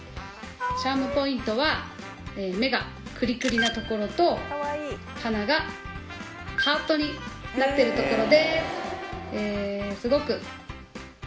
チャームポイントは目がクリクリなところと鼻がハートになってるところ